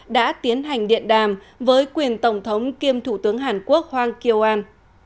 đã tiến hành điện đàm với quyền tổng thống kiêm thủ tướng hàn quốc hoàng kiều an